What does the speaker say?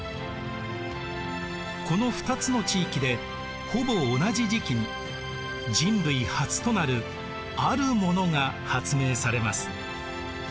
この２つの地域でほぼ同じ時期に人類初となるあるものが発明されます。